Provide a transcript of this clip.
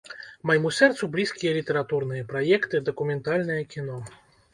Майму сэрцу блізкія літаратурныя праекты, дакументальнае кіно.